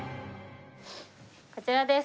こちらです。